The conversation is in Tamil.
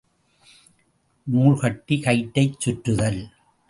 நூல் கட்டி கயிற்றைச் சுற்றுதல்.